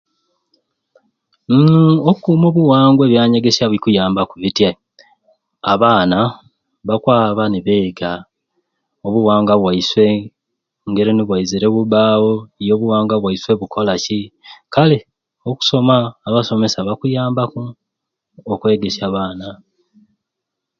Uum okukuuma obuwangwa ebyanyegesya bikuyambaku bitai abaana bakwaba nibeega obuwangwa bwaiswe engeri nibwaizire bubaawo ye obuwangwa bwaiswe bukola ki kale okusoma abasomesa bakuyambaku okwegesya abaana